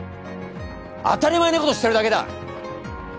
当たり前のことしてるだけだ！